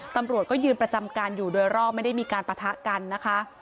ตำรวจก็ยืนประจำการอยู่โดยรอบไม่ได้มีการปะทะกันนะคะ